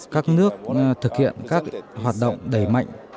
các nước thực hiện các hoạt động đẩy mạnh